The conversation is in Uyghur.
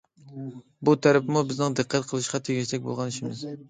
بۇ تەرىپىمۇ بىزنىڭ دىققەت قىلىشقا تېگىشلىك بولغان ئىشىمىز.